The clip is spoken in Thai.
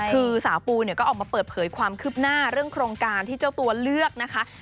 คือสาวปูเนี่ยก็ออกมาเปิดเผยความคืบหน้าเรื่องโครงการที่เจ้าตัวเลือกนะคะ